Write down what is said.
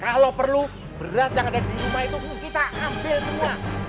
kalau perlu beras yang ada di rumah itu kita ambil semua